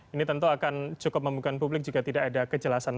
ini tentu akan cukup membuka publik jika tidak ada kejelasan